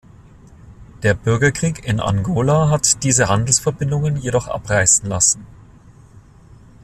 Der Bürgerkrieg in Angola hat diese Handelsverbindungen jedoch abreißen lassen.